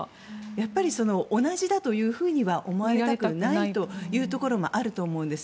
やっぱり同じだとは思われたくないというところもあると思うんです。